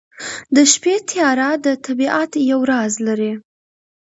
د شپې تیاره د طبیعت یو راز لري.